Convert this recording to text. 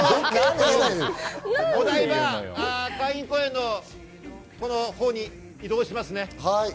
お台場海浜公園のほうに移動しますね。